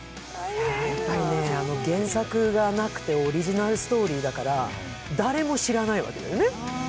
原作がなくてオリジナルストーリーだから、誰も知らないわけよね。